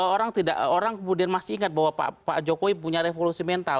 orang tidak orang kemudian masih ingat bahwa pak jokowi punya revolusi mental